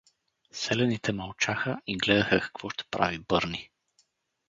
Селяните мълчаха и гледаха какво ще прави Бърни.